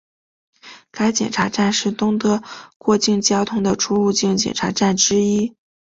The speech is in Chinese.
该检查站是东德过境交通的出入境检查站之一。